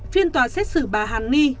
phiên tòa xét xử bà hàn ni